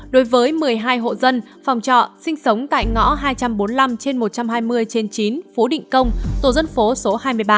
đối với một mươi hai hộ dân phòng trọ sinh sống tại ngõ hai trăm bốn mươi năm trên một trăm hai mươi trên chín phú định công tổ dân phố số hai mươi ba